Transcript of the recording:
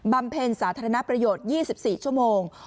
ำเพ็ญสาธารณประโยชน์๒๔ชั่วโมง